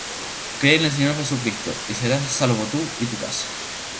Cree en el Señor Jesucristo, y serás salvo tú, y tu casa.